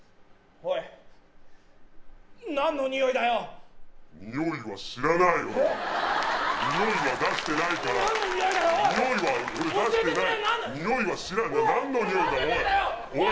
おい何のにおいなんだよおい！